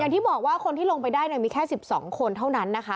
อย่างที่บอกว่าคนที่ลงไปได้มีแค่๑๒คนเท่านั้นนะคะ